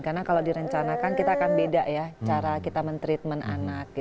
karena kalau direncanakan kita akan beda ya cara kita men treatment anak